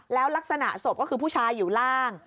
แล้วลักษณะศพก็คือผู้ชายอยู่ล่าง